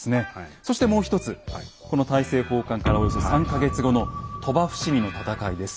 そしてもう一つこの大政奉還からおよそ３か月後の鳥羽伏見の戦いです。